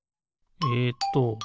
えっと